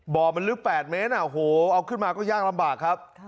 บ่อมันลึกแปดไหมนะโหเอาขึ้นมาก็ยากลำบากครับ